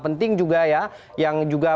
penting juga ya yang juga